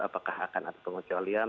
apakah akan ada pengecualian